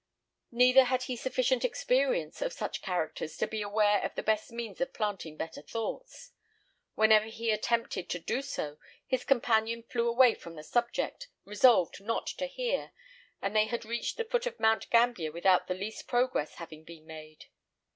Neither had he sufficient experience of such characters to be aware of the best means of planting better thoughts. Whenever he attempted to do so, his companion flew away from the subject, resolved not to hear, and they had reached the foot of Mount Gambier without the least progress having been made.